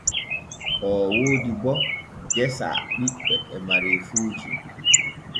Oo woodi bo gesa ɓiɓɓe e mareefuuji.